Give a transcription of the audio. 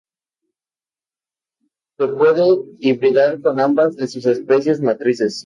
Se puede hibridar con ambas de sus especies matrices.